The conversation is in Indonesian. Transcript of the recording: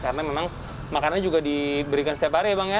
karena memang makannya juga diberikan setiap hari ya bang ya